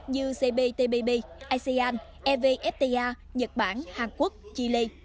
như cptpp asean evfta nhật bản hàn quốc chile